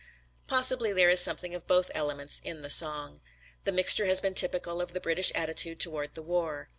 Possibly there is something of both elements in the song. The mixture has been typical of the British attitude toward the war.